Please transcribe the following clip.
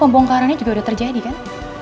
pembongkarannya juga udah terjadi kan